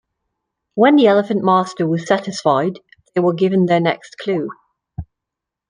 When the elephant master was satisfied, they were given their next clue.